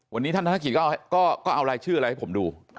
วันนี้ท่านธนกิจก็เอารายชื่ออะไรให้ผมดู